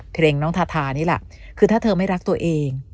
เพลงน้องทาทานี่แหละคือถ้าเธอไม่รักตัวเอง